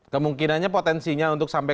kemungkinannya potensinya untuk sampai